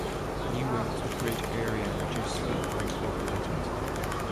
New wings with greater area and reduced sweep were incorporated.